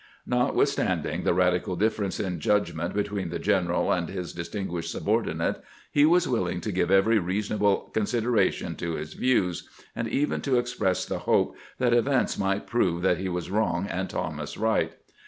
Notwithstanding the radical difference in judgment between the general and his dis tinguished subordinate, he was willing to give every reasonable consideration to his views, and even to ex press the hope that events might prove that he was wrong and Thomas right.